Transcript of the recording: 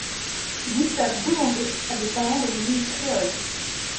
Gustave Boulanger a des parents d’origine créole.